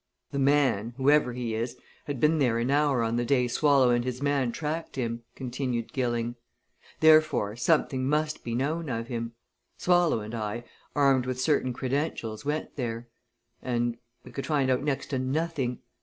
"The man, whoever he is, had been there an hour on the day Swallow and his man tracked him," continued Gilling. "Therefore, something must be known of him. Swallow and I, armed with certain credentials, went there. And we could find out next to nothing.